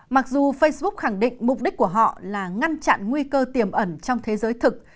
mặc dù facebook khẳng định mục đích của họ là ngăn chặn nguy cơ tiềm ẩn trong thế giới thực